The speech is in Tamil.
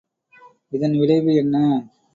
இதன் விளைவு என்ன?